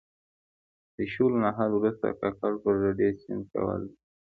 د شولو نهال وروسته کاکړ په ډډي سیند کې لامبل.